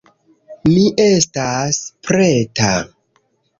Mi estas preta